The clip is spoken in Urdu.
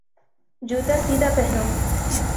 جوتا سیدھا پہنو